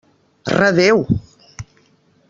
Redéu!